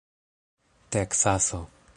teksaso